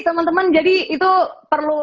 teman teman jadi itu perlu